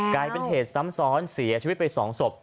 กลายเป็นเหตุซ้ำซ้อนเสียชีวิตไป๒ศพ